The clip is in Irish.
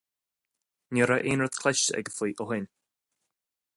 Ní raibh aon rud cloiste aige faoi ó shin.